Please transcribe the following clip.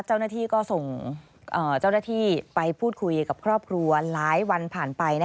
เจ้าหน้าที่ก็ส่งเจ้าหน้าที่ไปพูดคุยกับครอบครัวหลายวันผ่านไป